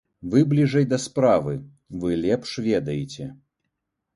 Вы бліжэй да справы, вы лепш ведаеце.